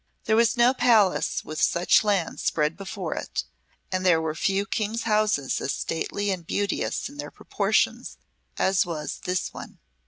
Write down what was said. There was no palace with such lands spread before it, and there were few kings' houses as stately and beauteous in their proportions as was this one.